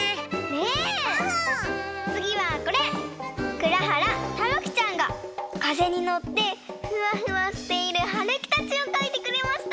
くらはらたまきちゃんがかぜにのってフワフワしているはるきたちをかいてくれました！